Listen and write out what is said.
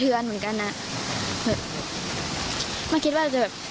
เพื่อนของไอซ์นะครับเกี่ยวด้วย